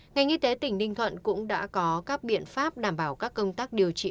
ngành y tế tỉnh ninh thuận cũng đã có các biện pháp đảm bảo các công tác điều trị